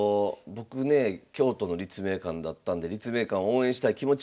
僕ね京都の立命館だったんで立命館応援したい気持ちもありますが。